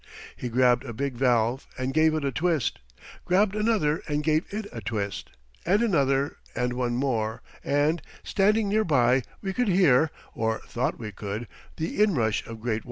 He grabbed a big valve and gave it a twist; grabbed another and gave it a twist; and another, and one more; and, standing near by, we could hear or thought we could the in rush of great waters.